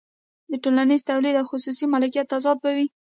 د ټولنیز تولید او خصوصي مالکیت تضاد به وي